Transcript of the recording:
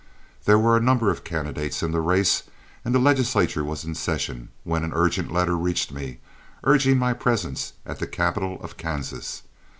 There were a number of candidates in the race and the legislature was in session, when an urgent letter reached me, urging my presence at the capital of Kansas.